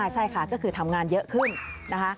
ใช่ค่ะก็คือทำงานเยอะขึ้นนะคะ